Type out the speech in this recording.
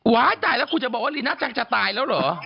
ตายแล้วคุณจะบอกว่าลีน่าจังจะตายแล้วเหรอ